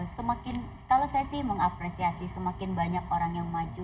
semakin kalau saya sih mengapresiasi semakin banyak orang yang maju